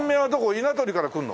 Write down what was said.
稲取から来るの？